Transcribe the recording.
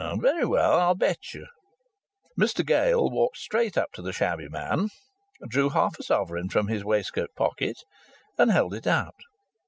"Very well, I'll bet you." Mr Gale walked straight up to the shabby man, drew half a sovereign from his waistcoat pocket, and held it out.